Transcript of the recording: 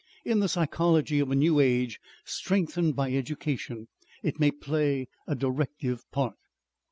In the psychology of a new age strengthened by education it may play a directive part."